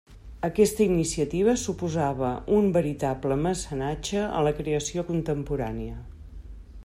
Aquesta iniciativa suposava un veritable mecenatge a la creació contemporània.